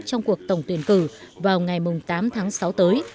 trong cuộc tổng tuyển cử vào ngày tám tháng sáu tới